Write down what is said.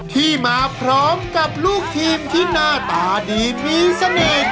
ที่มาพร้อมกับลูกทีมที่หน้าตาดีมีเสน่ห์